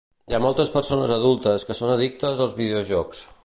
Hi ha moltes persones adultes que són addictes als videojocs